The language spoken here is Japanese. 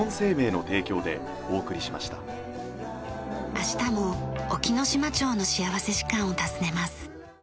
明日も隠岐の島町の幸福時間を訪ねます。